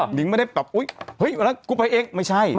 เห้ยวันหนึ่งไม่ใช่